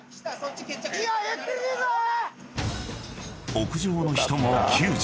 ［屋上の人も救助］